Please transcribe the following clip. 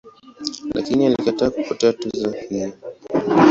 Lakini alikataa kupokea tuzo hiyo.